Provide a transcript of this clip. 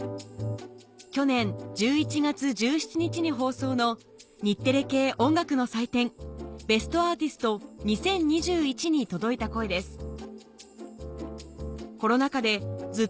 去年１１月１７日に放送の日テレ系音楽の祭典『ベストアーティスト２０２１』に届いた声です